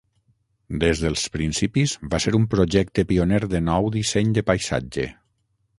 Des dels principis va ser un projecte pioner de nou disseny de paisatge.